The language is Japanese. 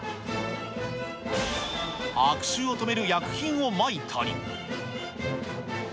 悪臭を止める薬品をまいたり。